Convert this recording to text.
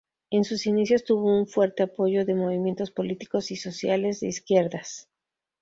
En sus inicios tuvo un fuerte apoyo de movimientos políticos y sociales de izquierdas.